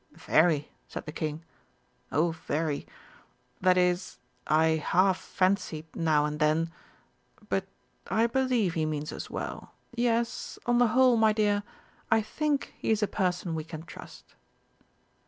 "Very," said the King, "oh, very that is, I half fancied now and then but I believe he means us well. Yes, on the whole, my dear, I think he's a person we can trust."